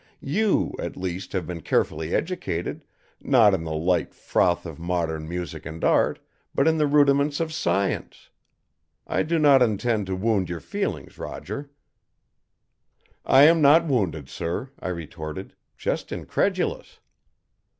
You, at least, have been carefully educated, not in the light froth of modern music and art, but in the rudiments of science. I do not intend to wound your feelings, Roger!" "I am not wounded, sir," I retorted. "Just incredulous!"